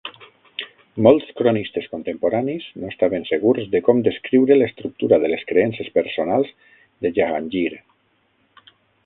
Molts cronistes contemporanis no estaven segurs de com descriure l'estructura de les creences personals de Jahangir.